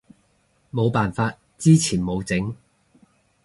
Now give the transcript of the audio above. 冇辦法，之前冇整